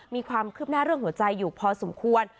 มีความคืบหน้าเรื่องหัวใจอยู่พอสมควร